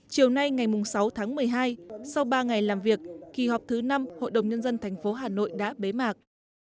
chiều nay ngày sáu tháng một mươi hai sau ba ngày làm việc kỳ họp thứ năm hội đồng nhân dân thành phố hà nội đã bế mạc